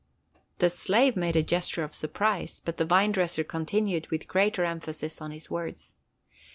The slave made a gesture of surprise, but the vine dresser continued with greater emphasis on his words.